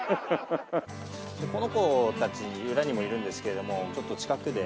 この子たち裏にもいるんですけれどもちょっと近くで。